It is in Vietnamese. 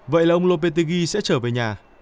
vậy là ông lopetegui sẽ trở về nhà